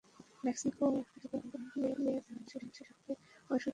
Mexico কর্তৃপক্ষ মনে করেন যে, তারা মাংসের সাথে এ ঔষধ সেবন করেছিল।